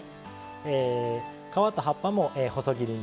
皮と葉っぱも細切りに。